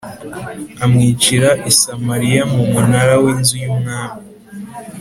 amwicira i Samariya mu munara w inzu y umwami